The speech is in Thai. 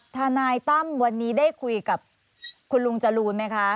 ทนายตั้มวันนี้ได้คุยกับคุณลุงจรูนไหมคะ